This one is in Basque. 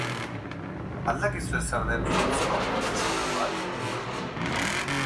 Ba al dakizue zer den foldscope mikroskopio bat?